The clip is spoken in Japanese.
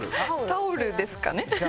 タオルですかね。